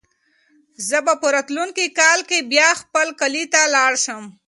زه به په راتلونکي کال کې بیا خپل کلي ته لاړ شم.